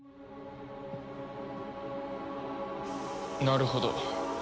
なるほど。